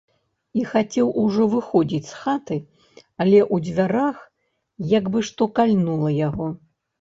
І хацеў ужо выходзіць з хаты, але ў дзвярах як бы што кальнула яго.